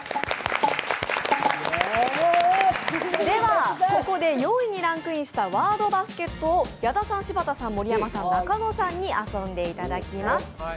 ではここで４位にランクインしたワードバスケットを矢田さん、柴田さん、盛山さん、中野さんに遊んでいただきます。